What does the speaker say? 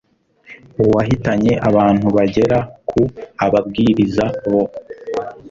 wahitanye abantu bagera ku ababwiriza bo